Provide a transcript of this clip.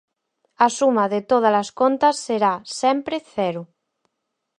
A suma de todas as contas será sempre cero.